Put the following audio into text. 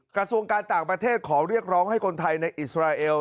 กระทรวงการต่างประเทศขอเรียกร้องให้คนไทยในอิสราเอล